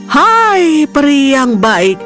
hai peri yang baik